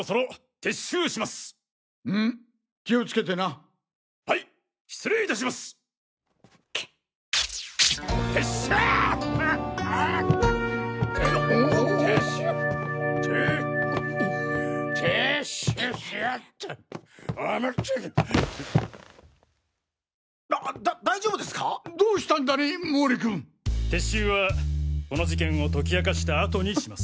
撤収はこの事件を解き明かした後にします。